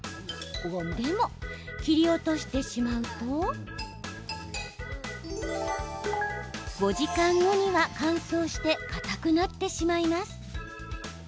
でも切り落としてしまうと５時間後には、乾燥してかたくなってしまいます。